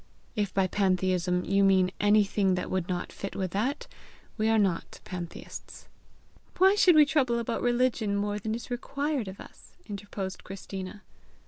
If by pantheism you mean anything that would not fit with that, we are not pantheists." "Why should we trouble about religion more than is required of us!" interposed Christina.